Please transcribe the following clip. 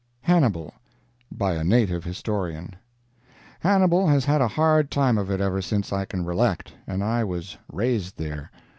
HANNIBAL—BY A NATIVE HISTORIAN Hannibal has had a hard time of it ever since I can recollect, and I was "raised" there.